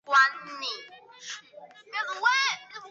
巴盖希是葡萄牙布拉干萨区的一个堂区。